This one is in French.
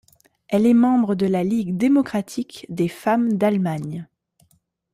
Elle est membre de la Ligue démocratique des femmes d'Allemagne.